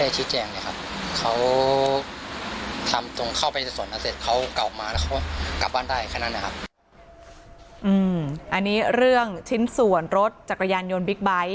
เขาทำตรงเข้าไปส่วนนี้เสร็จเขาเกาะออกมาแล้วก็กลับบ้านได้แค่นั้นนะครับ